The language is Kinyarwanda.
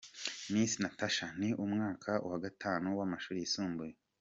Miss Natacha : Ni mu mwaka wa Gatanu w’amashuri yisumbuye.